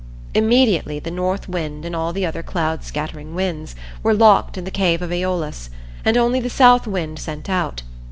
Immediately the North Wind and all the other cloud scattering winds were locked in the cave of Aeolus, and only the South Wind sent out.